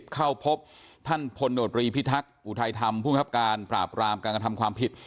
เข้าพบท่านพลโนตรีพิทักษ์อุทัยธรรมภูมิครับการปราบรามการกระทำความผิด